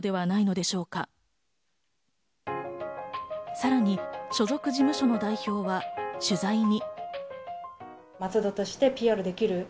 さらに所属事務所の代表は取材に。